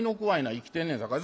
生きてんねんさかい」。